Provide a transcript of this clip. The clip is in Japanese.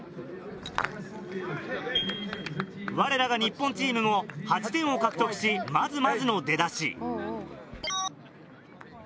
われらが日本チームも８点を獲得しまずまずの出だし。